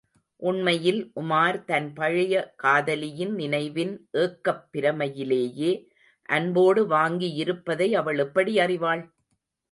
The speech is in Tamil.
உண்மையில் உமார் தன் பழைய காதலியின் நினைவின் ஏக்கப் பிரமையிலேயே அன்போடு வாங்கியிருப்பதை அவள் எப்படி அறிவாள்?